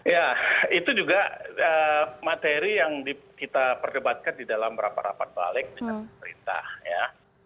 ya itu juga materi yang kita perdebatkan di dalam rapat rapat balik dengan perintah ya